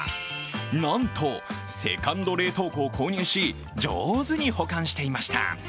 なんと、セカンド冷凍庫を購入し、上手に保管していました。